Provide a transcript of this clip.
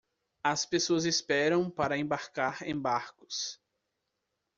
As pessoas esperam para embarcar em barcos.